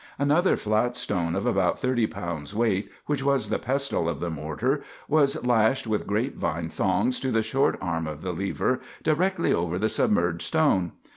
Another flat stone of about thirty pounds' weight, which was the pestle of the mortar, was lashed with grape vine thongs to the short arm of the lever directly over the submerged stone.